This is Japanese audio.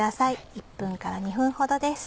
１分から２分ほどです。